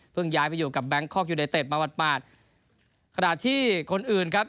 เพิ่งย้ายไปอยู่กับแบงค์คอกอยู่ในเต็ดมาวัดปาดขนาดที่คนอื่นครับ